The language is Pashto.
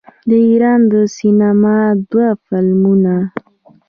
د ایران د سینما دوه فلمونه